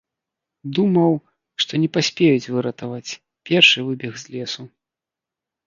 Думаў, што не паспеюць выратаваць, першы выбег з лесу.